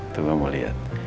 tuh kamu lihat